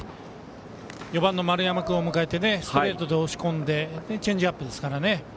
４番の丸山君を迎えてストレートで押し込んでチェンジアップですからね。